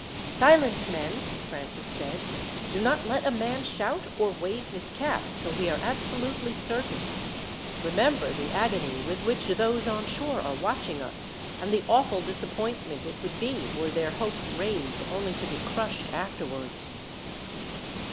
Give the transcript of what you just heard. "Silence, men!" Francis said. "Do not let a man shout, or wave his cap, till we are absolutely certain. Remember the agony with which those on shore are watching us, and the awful disappointment it would be, were their hopes raised only to be crushed, afterwards."